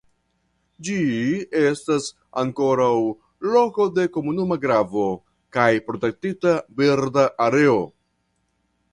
Ĝi estas ankaŭ Loko de Komunuma Gravo kaj Protektita birda areo.